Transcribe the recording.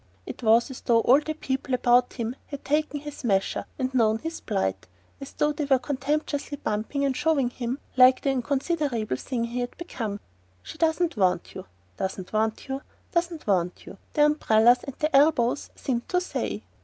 It was as though all the people about him had taken his measure and known his plight; as though they were contemptuously bumping and shoving him like the inconsiderable thing he had become. "She doesn't want you, doesn't want you, doesn't want you," their umbrellas and their elbows seemed to say.